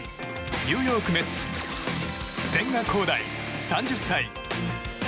ニューヨーク・メッツ千賀滉大、３０歳。